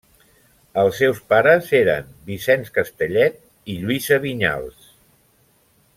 Els seus pares eren Vicenç Castellet i Lluïsa Vinyals.